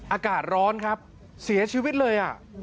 อากาศร้อนครับเสียชีวิตเลย